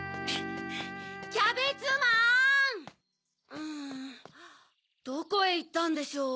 うんどこへいったんでしょう。